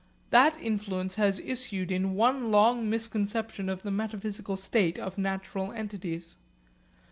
That influence has issued in one long misconception of the metaphysical status of natural entities.